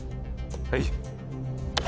はい！